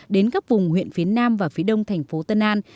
đến các vùng huyện phía nam và phía đông thành phố tân an